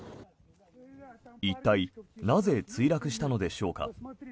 一体、なぜ墜落したのでしょうか。